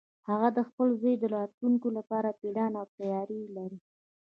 هغه د خپل زوی د راتلونکې لپاره پلان او تیاری لري